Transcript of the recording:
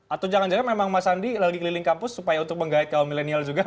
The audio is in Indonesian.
atau jangan jangan memang mas andi lagi keliling kampus supaya untuk menggait kaum milenial juga